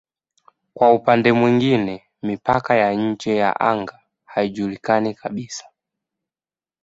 Kwa upande mwingine mipaka ya nje ya anga haijulikani kabisa.